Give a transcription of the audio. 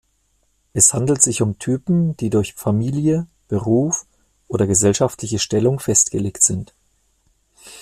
Es handelt sich um Typen, die durch Familie, Beruf oder gesellschaftliche Stellung festgelegt sind.